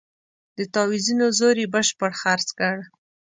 د تاویزونو زور یې بشپړ خرڅ کړ.